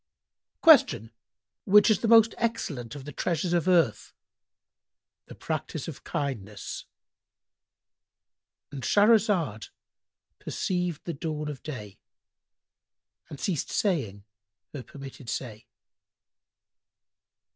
Q "Which is the most excellent of the treasures of earth?"—"The practice of kindness."—And Shahrazad perceived the dawn of day and ceased saying her permitted say.